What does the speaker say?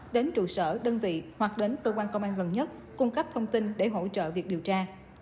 đến trụ sở đơn vị hoặc đến cơ quan công an gần nhất cung cấp thông tin để hỗ trợ việc điều tra